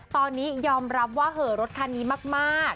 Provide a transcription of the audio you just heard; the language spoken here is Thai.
ตอนนี้ยอมรับว่าเหอะรถคันนี้มาก